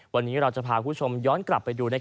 วันนี้เราจะพาคุณผู้ชมย้อนกลับไปดู